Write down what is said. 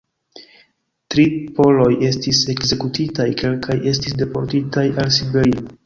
Tri poloj estis ekzekutitaj, kelkaj estis deportitaj al Siberio.